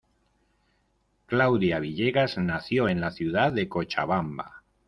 Claudia Villegas nació en la ciudad de Cochabamba.